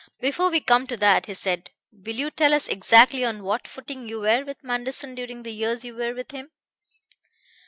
"Before we come to that," he said, "will you tell us exactly on what footing you were with Manderson during the years you were with him."